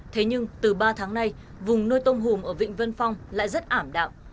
thế nhưng từ ba tháng nay vùng nuôi tôm hùm ở vịnh vân phong lại rất ảm đạm